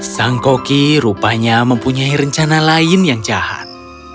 sang koki rupanya mempunyai rencana lain yang jahat